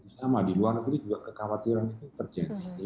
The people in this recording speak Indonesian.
sama di luar negeri juga kekhawatiran itu terjadi